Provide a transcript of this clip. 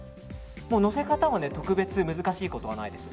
のせ方も特別難しいことはないです。